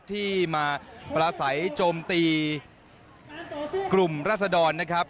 ที่มาประสัยโจมตีกลุ่มรัศดรนะครับ